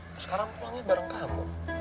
sekarang pulangnya bareng kamu